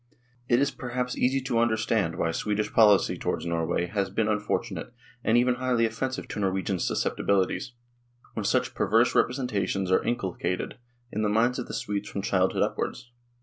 It is perhaps easy enough to understand why Swedish policy towards Norway has been unfortunate and even highly offensive to Norwegian susceptibilities, when such perverse representations are inculcated in the minds of the Swedes from childhood upwards.